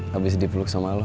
habis dipuluk sama lo